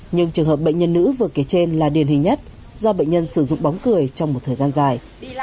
nhưng trường hợp bệnh nhân nữ vừa kể trên là điển hình nhất do bệnh nhân sử dụng bóng cười trong một thời gian dài